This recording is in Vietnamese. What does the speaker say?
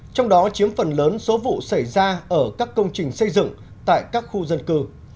trong đó chiếm phần lớn số vụ xảy ra ở các công trình xây dựng tại các khu dân cư